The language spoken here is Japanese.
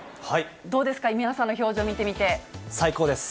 どうですか、皆さんの表情見てみ最高です。